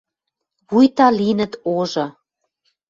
Вуйта линӹт ожы